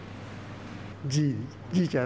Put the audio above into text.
じぃ、じぃちゃん。